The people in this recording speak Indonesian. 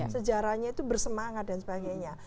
sejarahnya itu bersemangat dan sebagainya